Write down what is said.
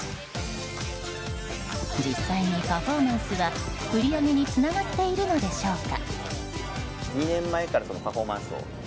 実際にパフォーマンスは売り上げにつながっているのでしょうか。